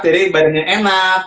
jadi badannya enak